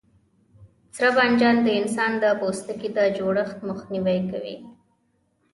سره بانجان د انسان د پوستکي د زړښت مخنیوی کوي.